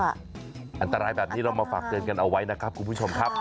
อันตรายแบบนี้เรามาฝากเตือนกันเอาไว้นะครับคุณผู้ชมครับ